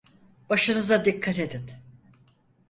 Başınıza dikkat edin.